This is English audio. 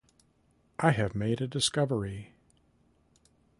I have made a discovery.